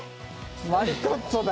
マリトッツォだよ。